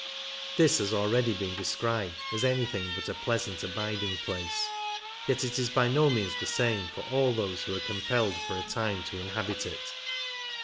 This has already been described as anything but a pleasant abiding place, yet it is by no means the same for all those who are compelled for a time to inhabit it.